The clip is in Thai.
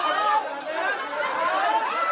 ใช้เอียนเดียวจะรู้หาข้อมูลจากที่มันเหมือนวงพิวเจอกับไป